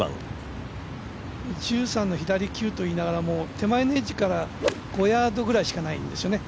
１３の左９と言いながらも手前のエッジから５ヤードくらいしかないんですよね。